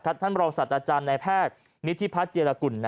ท่านบรองสัตว์อาจารย์ในแพทย์นิธิพัฒน์เจรกุล